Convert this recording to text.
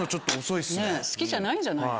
好きじゃないんじゃないの？